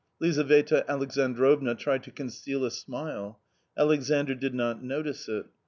Lizaveta Alexandrovna tried to conceal a smile. Alexandr did not notice it.